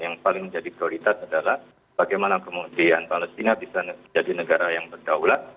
yang paling menjadi prioritas adalah bagaimana kemudian palestina bisa menjadi negara yang berdaulat